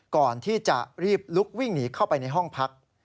ก่อนที่จะรีบลุกวิ่งหนีเข้าไปในห้องพัก